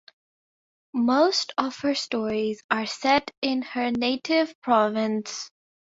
Most of her stories are set in her native Provence.